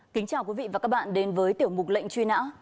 kính chào quý vị và các bạn đến với tiểu mục lệnh truy nã